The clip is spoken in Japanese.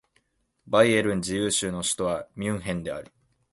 バイエルン自由州の州都はミュンヘンである